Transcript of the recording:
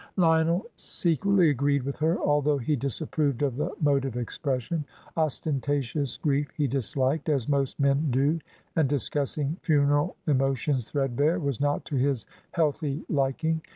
Lionel secretly agreed with her, although he disapproved of the mode of expression. Ostentatious grief he disliked, as most men do, and discussing funeral emotions threadbare was not to his healthy liking.